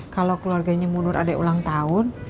kalau keluarganya munur adik ulang tahun